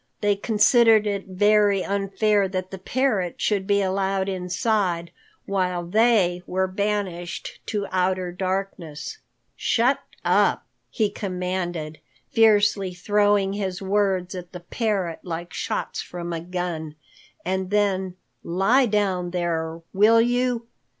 They considered it very unfair that the parrot should be allowed inside while they were banished to outer darkness. "Shut up!" he commanded, fiercely throwing his words at the parrot like shots from a gun. And then, "Lie down there, will you?"